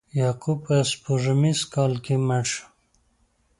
یعقوب په سپوږمیز کال کې مړ شو.